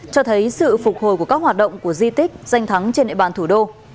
cho thấy sự phục hồi của các hoạt động của di tích giang thắng trên ệ bàn thủ đô